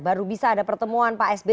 baru bisa ada pertemuan pak sby